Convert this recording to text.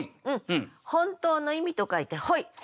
本当の意味と書いて本意。